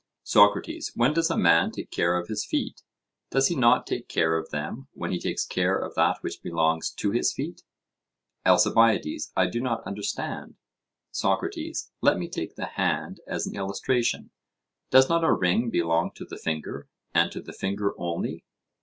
SOCRATES: When does a man take care of his feet? Does he not take care of them when he takes care of that which belongs to his feet? ALCIBIADES: I do not understand. SOCRATES: Let me take the hand as an illustration; does not a ring belong to the finger, and to the finger only?